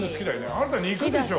あなた肉でしょ？